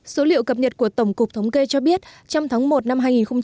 số liệu cập nhật của tổng cục thống kê cho biết trong tháng một năm hai nghìn hai mươi